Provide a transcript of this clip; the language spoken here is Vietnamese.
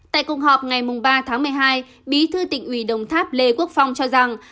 tại cuộc họp ngày ba tháng một mươi hai bí thư tỉnh ủy đồng tháp lê quốc phong cho rằng